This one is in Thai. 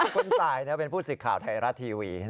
คุณตายเป็นผู้สิทธิ์ข่าวไทยรัฐทีวี